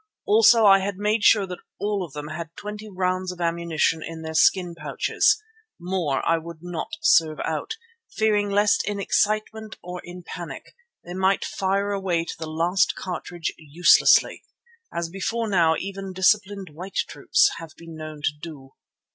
Also I had made sure that all of them had twenty rounds of ammunition in their skin pouches. More I would not serve out, fearing lest in excitement or in panic they might fire away to the last cartridge uselessly, as before now even disciplined white troops have been known to do.